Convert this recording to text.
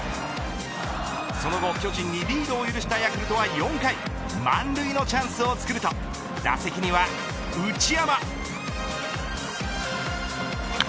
その後、巨人にリードを許したヤクルトは４回満塁のチャンスをつくると打席には内山。